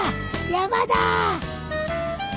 山だ！